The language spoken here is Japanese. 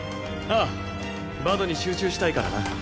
ああバドに集中したいからな。